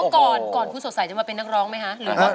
คือก่อนคุณสดใส่จะมาเป็นนักร้องไหมฮะ